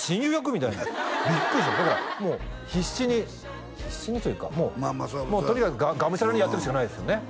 みたいなビックリしましただからもう必死に必死にというかもうもうとにかくがむしゃらにやっていくしかないですよね